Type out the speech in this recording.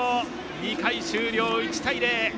２回終了、１対０。